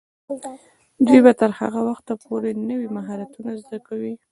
دوی به تر هغه وخته پورې نوي مهارتونه زده کوي.